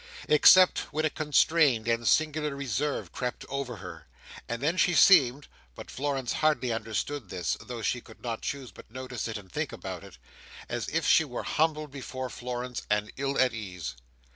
Except when a constrained and singular reserve crept over her; and then she seemed (but Florence hardly understood this, though she could not choose but notice it, and think about it) as if she were humbled before Florence, and ill at ease.